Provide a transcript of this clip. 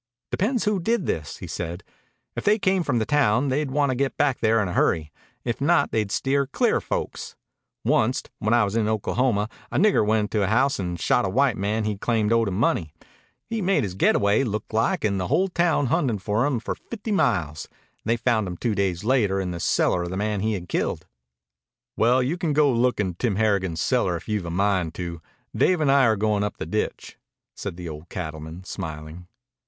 "Depends who did this," he said. "If they come from the town, they'd want to get back there in a hurry. If not, they'd steer clear of folks. Onct, when I was in Oklahoma, a nigger went into a house and shot a white man he claimed owed him money. He made his getaway, looked like, and the whole town hunted for him for fifty miles. They found him two days later in the cellar of the man he had killed." "Well, you can go look in Tim Harrigan's cellar if you've a mind to. Dave and I are goin' up the ditch," said the old cattleman, smiling.